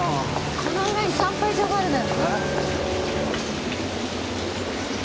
この上に産廃場があるのよ。